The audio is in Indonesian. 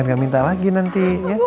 jangan minta lagi nanti ya